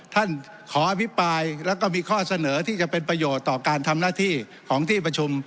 ท่านขออภิปรายแล้วก็มีข้อเสนอที่จะเป็นประโยชน์ต่อการทำหน้าที่ของที่ประชุม